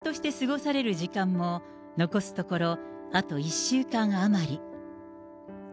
皇族として過ごされる時間も残すところあと１週間余り。